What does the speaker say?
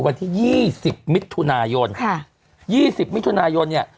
วันที่๒๐มิถุนายนค่ะ๒๐มิถุนายนเนี่ย